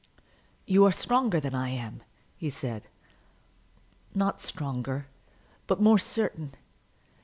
"You are stronger than I am," he said. "Not stronger, but more certain.